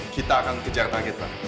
kita akan kejar target pak